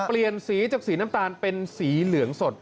เปลี่ยนสีจากสีน้ำตาลเป็นสีเหลืองสด